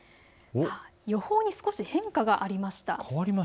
予報に少し変化がありました。